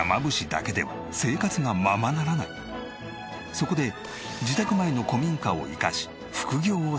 そこで自宅前の古民家を生かし副業をスタート！